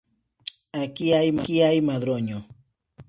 Aquí hay madroño